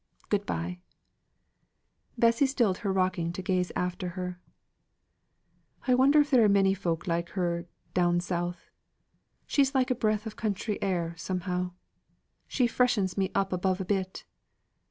Good bye!" Bessy stilled her rocking to gaze after her. "I wonder if there are many folk like her down South. She's like a breath of country air, somehow. She freshens me up above a bit.